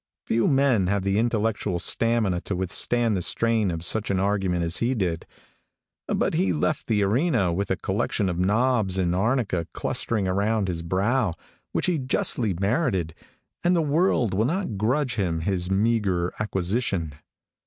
Few men have the intellectual stamina to withstand the strain of such an argument as he did, but he left the arena with a collection of knobs and arnica clustering around his brow, which he justly merited, and the world will not grudge him this meagre acquisition.